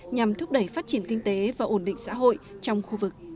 nhằm thúc đẩy phát triển kinh tế và ổn định xã hội trong khu vực